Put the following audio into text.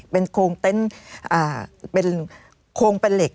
เป็นโครงเต็นต์เป็นโครงเป็นเหล็ก